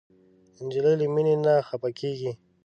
نجلۍ له مینې نه خفه کېږي.